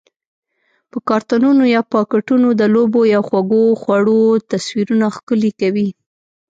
په کارتنونو یا پاکټونو د لوبو یا خوږو خوړو تصویرونه ښکلي کوي؟